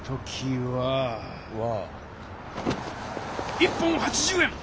１本８０円！